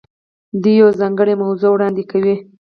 دوی یوه ځانګړې موضوع وړاندې کوي.